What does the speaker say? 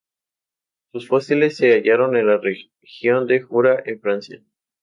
Sus fósiles se hallaron en la región de Jura en Francia.